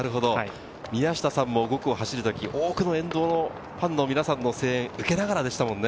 宮下さんも５区を走る時、多くの沿道のファンの皆さんの声援を受けながらでしたもんね。